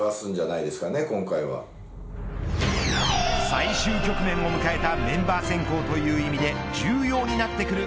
最終局面を迎えたメンバー選考という意味で重要になってくる